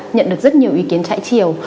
nhận được rất nhiều ý kiến chạy chiều